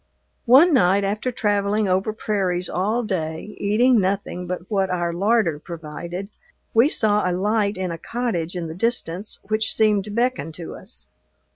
One night, after traveling over prairies all day, eating nothing but what our larder provided, we saw a light in a cottage in the distance which seemed to beckon to us.